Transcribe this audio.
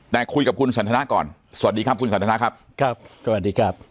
แต่คุยกับคุณสันทนาก่อนสวัสดีครับคุณสันทนาครับครับสวัสดีครับ